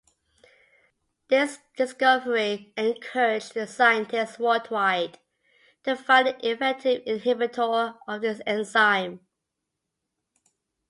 This discovery encouraged scientists worldwide to find an effective inhibitor of this enzyme.